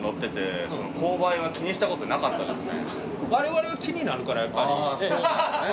我々は気になるからやっぱり。